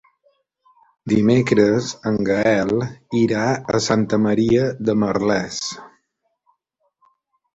Dimecres en Gaël irà a Santa Maria de Merlès.